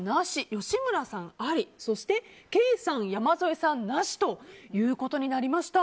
吉村さん、ありそしてケイさん、山添さんなしとなりました。